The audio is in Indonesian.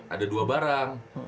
ada dua barang